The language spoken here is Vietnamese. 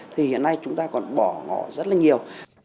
ngày nay chúng ta còn bỏ họ rất là nhiều